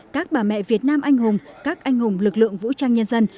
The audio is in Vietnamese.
các bà mẹ việt nam anh hùng các anh hùng lực lượng vũ trang nhân dân